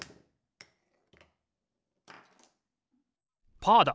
パーだ！